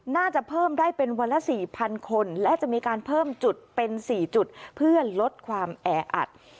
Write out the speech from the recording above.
น่าจะเพิ่มได้เป็นวันละ๔๐๐คนและจะมีการเพิ่มจุดเป็น๔จุดเพื่อลดความแออัด